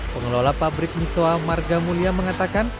pengelola pabrik misoa marga mulia mengatakan